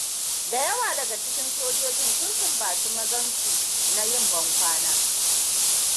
Da yawa daga cikin sojojin sun sumbaci mazansu na yin ban kwana.